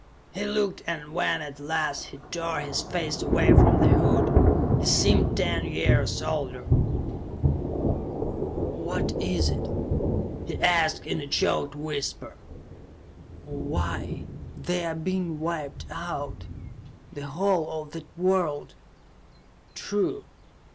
He looked, and when at last he tore his face away from the hood, he seemed ten years older. "What is it?" he asked in a choked whisper. "Why they're being wiped out; the whole of that world " "True.